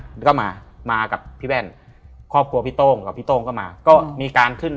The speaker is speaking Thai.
แล้วก็มามากับพี่แว่นครอบครัวพี่โต้งกับพี่โต้งก็มาก็มีการขึ้น